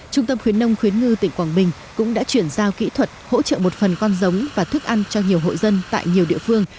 trung tâm khuyến nông khuyến ngư tỉnh quảng bình cũng đã chuyển giao kỹ thuật hỗ trợ một phần con giống và thức ăn cho nhiều hộ dân tại nhiều địa phương